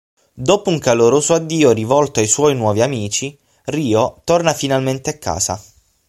Dopo un caloroso addio rivolto ai suoi nuovi amici, Ryo torna finalmente a casa.